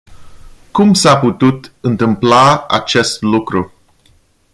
Cum s-a putut întâmpla acest lucru?